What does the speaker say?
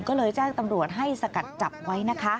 ก็เลยแจ้งตำรวจให้สกัดจับไว้นะคะ